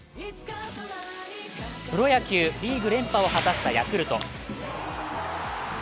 プロ野球リーグ連覇を果たしたヤクルト。